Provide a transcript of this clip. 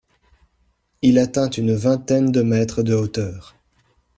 Il atteint une vingtaine de mètres de hauteur.